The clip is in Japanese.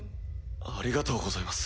ありがとうございます。